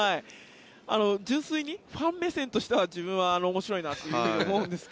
純粋にファン目線としては自分としては面白いなと思うんですが。